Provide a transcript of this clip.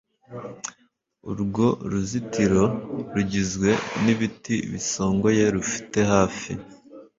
urwo ruzitiro rugizwe n ibiti bisongoye rufite hafi